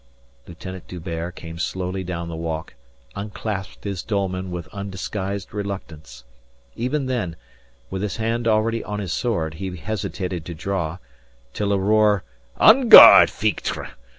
Lieutenant D'Hubert, coming slowly down the walk, unclasped his dolman with undisguised reluctance. Even then, with his hand already on his sword, he hesitated to draw, till a roar "_En garde, fichtre!